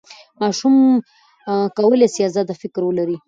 ماشوم کولی سي ازاد فکر ولري.